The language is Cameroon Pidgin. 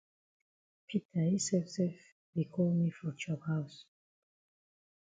Peter yi sef sef be call me for chop haus.